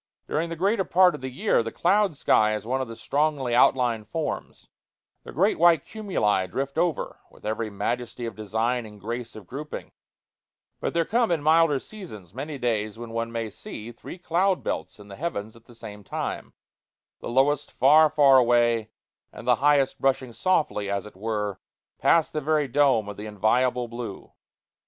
During the greater part of the year the cloud sky is one of strongly outlined forms; the great white cumuli drift over, with every majesty of design and grace of grouping; but there come, in milder seasons, many days when one may see three cloud belts in the heavens at the same time, the lowest far, far away, and the highest brushing softly, as it were, past the very dome of the inviolable blue.